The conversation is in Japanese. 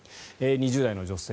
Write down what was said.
２０代の女性